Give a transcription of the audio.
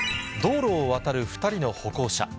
道路を渡る２人の歩行者。